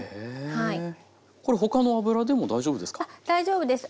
これ他の油でも大丈夫ですか？